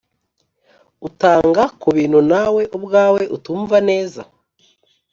utanga ku bintu nawe ubwawe utumva neza.